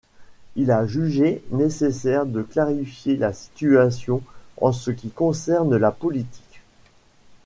Il a jugé nécessaire de clarifier la situation en ce qui concerne la politique.